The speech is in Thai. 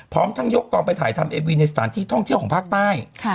พร้อมทั้งยกกองไปถ่ายทำเอวีในสถานที่ท่องเที่ยวของภาคใต้